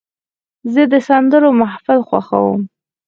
زه د سندرو محفل خوښوم.